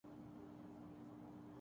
کیفیت کا حامل ہوتا ہے